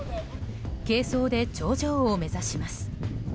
軽装で頂上を目指します。